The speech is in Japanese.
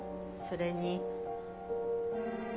それに？